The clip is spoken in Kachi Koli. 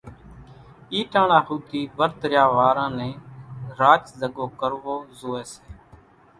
اِي ٽاڻا ۿوڌي ورت ريا واران نين راچ زڳو ڪروو زوئي سي۔